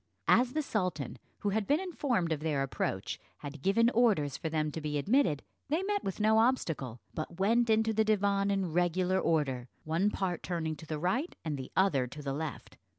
As the sultan, who had been informed of their approach, had given orders for them to be admitted, they met with no obstacle, but went into the divan in regular order, one part turning to the right and the other to the left.